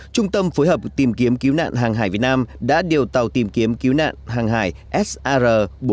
trung tâm phối hợp tìm kiếm cứu nạn hàng hải việt nam đã điều tàu tìm kiếm cứu nạn hàng hải sar bốn trăm một mươi một